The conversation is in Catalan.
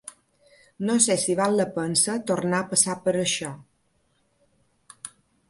No sé si val la pensa tornar a passar per això.